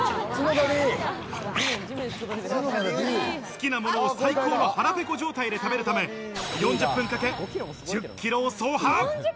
好きなものを最高の腹ペコ状態で食べるため、４０分かけ１０ｋｍを走破。